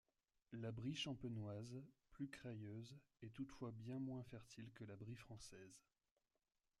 La Brie champenoise, plus crayeuse, est toutefois bien moins fertile que la Brie française.